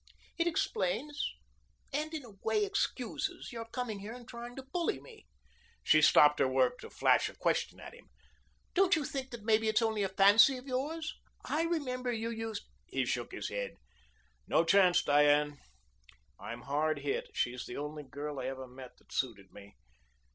It explains and in a way excuses your coming here and trying to bully me." She stopped her work to flash a question at him. "Don't you think that maybe it's only a fancy of yours? I remember you used " He shook his head. "No chance, Diane. I'm hard hit. She's the only girl I ever met that suited me.